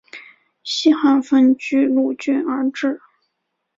西汉分钜鹿郡而置。